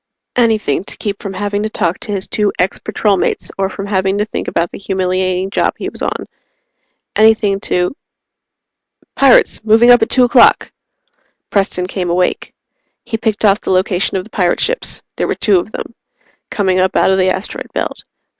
Anything to keep from having to talk to his two ex Patrolmates or from having to think about the humiliating job he was on. Anything to "Pirates! Moving up at two o'clock!" Preston came awake. He picked off the location of the pirate ships there were two of them, coming up out of the asteroid belt.